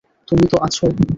তুমি তো আছো।